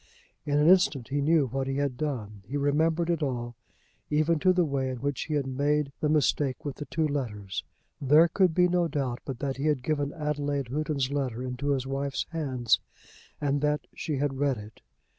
In an instant he knew what he had done. He remembered it all, even to the way in which he had made the mistake with the two letters. There could be no doubt but that he had given Adelaide Houghton's letter into his wife's hands, and that she had read it.